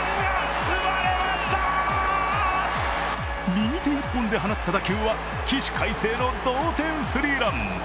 右手１本で放った打球は起死回生の同点スリーラン。